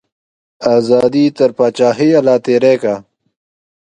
ازادي تر پاچاهیه لا تیری کا.